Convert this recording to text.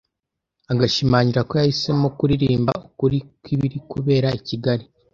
Agashimangira ko yahisemo kuririmba ukuri kw’ibiri kubera i Kigali